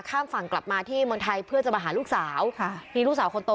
ข้ามฝั่งกลับมาที่เมืองไทยเพื่อจะมาหาลูกสาวค่ะมีลูกสาวคนโต